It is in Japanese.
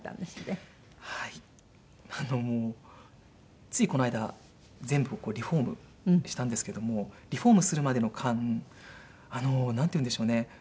あのついこの間全部をリフォームしたんですけどもリフォームするまでの間あのなんていうんでしょうね。